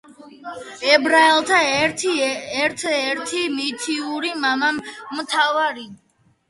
ებრაელთა ერთ-ერთი მითიური მამამთავარი.